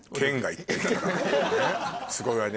すごいわね。